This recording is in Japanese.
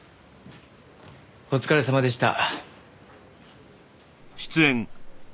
お疲れさまでした。